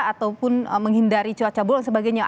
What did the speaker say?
ataupun menghindari cuaca buruk dan sebagainya